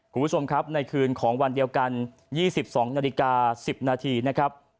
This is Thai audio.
คุณผู้ชมครับในคืนของวันเดียวกัน๒๒นาฬิกา๑๐นาทีนะครับ